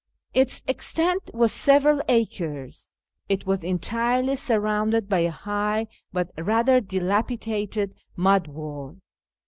Its extent was several acres. It was entirely surrounded by a high but rather dilapidated mud wall.